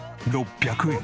「６００円！」